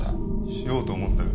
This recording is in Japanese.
しようと思ったよ。